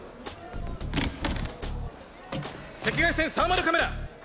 赤外線サーマルカメラ。